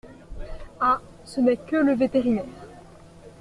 Ah ! ce n’est que le vétérinaire !…